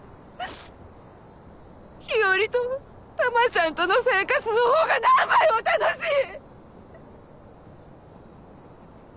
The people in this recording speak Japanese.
日和と珠ちゃんとの生活の方が何倍も楽しい！